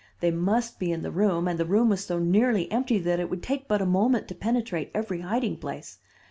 They must be in the room, and the room was so nearly empty that it would take but a moment to penetrate every hiding place.